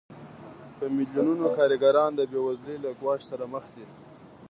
په میلیونونو کارګران د بېوزلۍ له ګواښ سره مخ دي